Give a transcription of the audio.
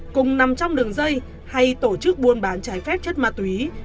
cùng nằm trong đường dây hay tổ chức buôn bán trái phép chất ma túy